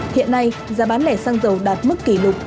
hiện nay giá bán lẻ xăng dầu đạt mức kỷ lục